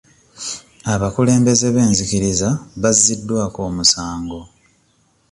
Abakulembeze b'enzikiriza bazziddwako omusango.